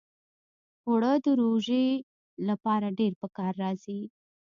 اوړه د روژې لپاره ډېر پکار راځي